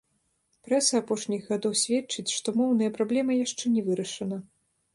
Прэса апошніх гадоў сведчыць, што моўная праблема яшчэ не вырашана.